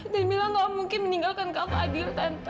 dan mila gak mungkin meninggalkan kak fadil tante